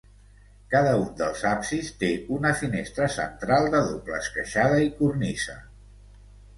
Cada un dels absis té una finestra central de doble esqueixada i cornisa.